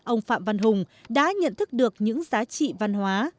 ông phạm văn hùng đã nhận thức được những giá trị văn hóa